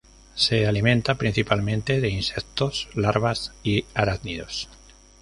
Se alimenta principalmente de insectos, larvas y arácnidos.